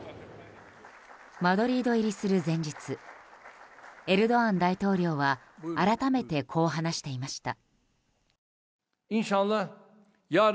マドリード入りする前日エルドアン大統領は改めてこう話していました。